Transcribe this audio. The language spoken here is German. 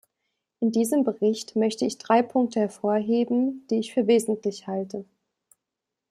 In diesem Bericht möchte ich drei Punkte hervorheben, die ich für wesentlich halte.